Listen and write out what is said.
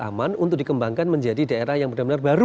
aman untuk dikembangkan menjadi daerah yang benar benar baru